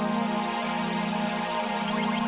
kasian aisyah aisyah